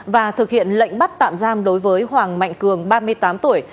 và thực hiện lệnh bắt tạm giam đối với hoàng mạnh cường ba mươi tám tuổi